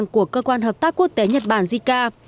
của cơ quan hợp tác quốc tế nhật bản jica